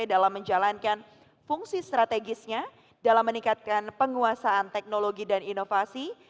dalam menjalankan fungsi strategisnya dalam meningkatkan penguasaan teknologi dan inovasi